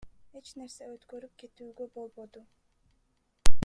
Эч нерсе өткөрүп кетүүгө болбоду.